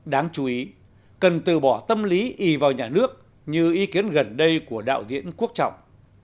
đáng chú ý cần từ bỏ tâm lý ý vào nhà nước như ý kiến gần đây của đạo diễn quốc trọng